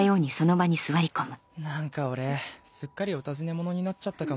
なんか俺すっかりお尋ね者になっちゃったかも。